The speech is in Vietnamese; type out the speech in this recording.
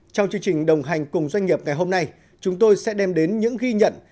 trong chương trình đồng hành cùng doanh nghiệp ngày hôm nay chúng tôi sẽ đem đến những ghi nhận